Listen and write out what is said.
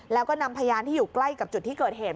แล้วก็นำพยานที่อยู่ใกล้กับจุดที่เกิดเหตุ